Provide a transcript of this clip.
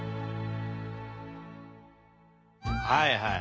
はいはい。